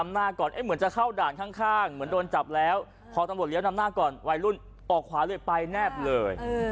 เหมือนจะเข้าด่านข้างเหมือนโดนจับแล้วพอตำรวจเลี้ยวนำหน้าก่อนวัยรุ่นออกขวาเลยไปแนบเลย